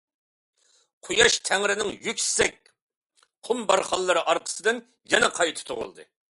قۇياش تەڭرىنىڭ يۈكسەك قۇم بارخانلىرى ئارقىسىدىن يەنە قايتا تۇغۇلدى.